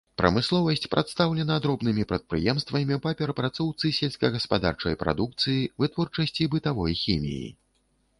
Прамысловасць прадстаўлена дробнымі прадпрыемствамі па перапрацоўцы сельскагаспадарчай прадукцыі, вытворчасці бытавой хіміі.